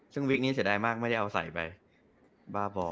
ซึ่งวิกนี้เสียดายมากไม่ได้เอาใส่ไปบ้าพอ